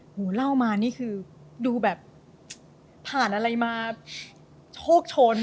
หูเล่ามานี่คือดูแบบผ่านอะไรมาโชคชน